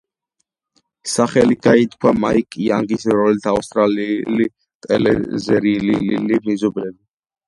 სახელი გაითქვა მაიკ იანგის როლით ავსტრალიურ ტელესერიალში „მეზობლები“.